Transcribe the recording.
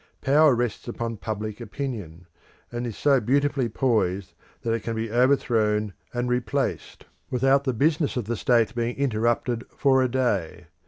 Power rests upon public opinion, and is so beautifully poised that it can be overthrown and replaced without the business of the state being interrupted for a day.